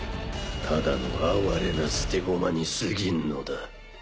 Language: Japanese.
ただの哀れな捨て駒にすぎんのだ。